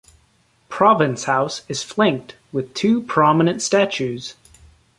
Province House is flanked with two prominent statues.